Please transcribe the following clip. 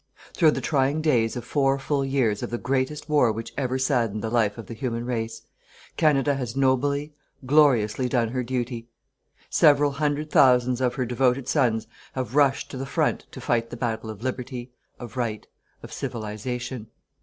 Through the trying days of four full years of the greatest war which ever saddened the life of the human race, Canada has nobly, gloriously, done her duty. Several hundred thousands of her devoted sons have rushed to the front to fight the battle of Liberty, of Right, of Civilization.